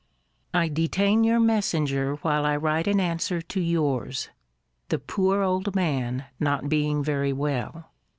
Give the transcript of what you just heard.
I detain your messenger while I write an answer to yours; the poor old man not being very well.